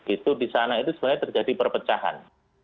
itu disana itu sebenarnya terjadi perpecahan